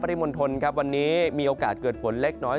ปฏิบันทนครวันนี้มีโอกาสเกิดฝนเล็กน้อย